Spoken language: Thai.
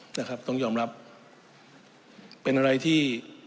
นะครับต้องยอมรับเป็นอะไรที่